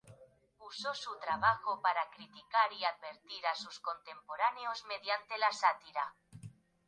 Usó su trabajo para criticar y advertir a sus contemporáneos mediante la sátira.